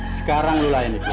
sekarang lu lah yang ikut lagi